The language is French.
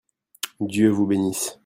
Dieu vous bénisse.